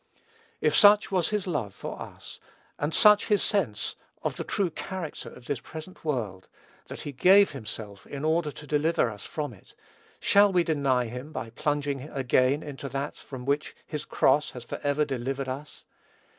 If such was his love for us, and such his sense of the true character of this present world, that he gave himself, in order to deliver us from it, shall we deny him by plunging again into that from which his cross has forever delivered us?